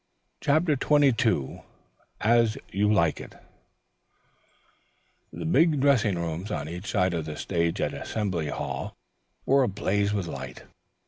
CHAPTER XXII AS YOU LIKE IT The big dressing rooms on each side of the stage at Assembly Hall were ablaze with light.